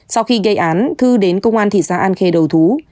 sau khi gây án thư đến công an thị xã an khê đầu thú